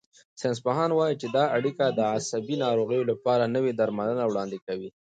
ساینسپوهان وايي چې دا اړیکه د عصبي ناروغیو لپاره نوي درملنې وړاندې کوي.